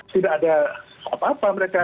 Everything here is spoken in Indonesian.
tidak ada apa apa mereka